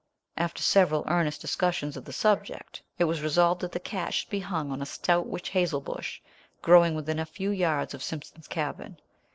After several earnest discussions of the subject it was resolved that the cat should be hung on a stout witch hazel bush, growing within a few yards of Simpson's cabin.